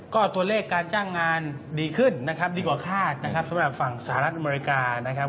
ก็ตัวเลขการจ้างงานดีขึ้นนะครับดีกว่าคาดนะครับสำหรับฝั่งสหรัฐอเมริกานะครับ